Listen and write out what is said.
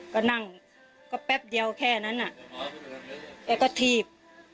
ก็นั่งก็แป๊บเดียวแค่นั้นอ่ะแกก็ถีบ